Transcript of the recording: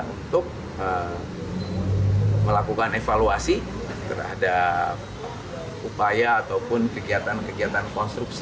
untuk melakukan evaluasi terhadap upaya ataupun kegiatan kegiatan konstruksi